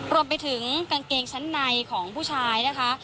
รวมไปถึงกางเกงชั้นในของผู้ชายนะคะ